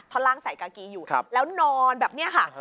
ล่างใส่กากีอยู่แล้วนอนแบบนี้ค่ะ